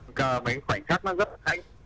mấy khoảnh khắc nó rất là hay